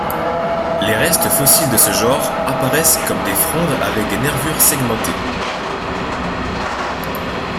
Les restes fossiles de ce genre apparaissent comme des frondes avec des nervures segmentées.